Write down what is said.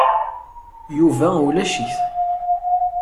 Yuba ulac-it.